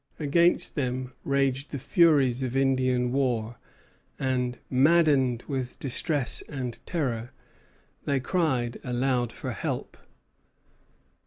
Against them raged the furies of Indian war; and, maddened with distress and terror, they cried aloud for help.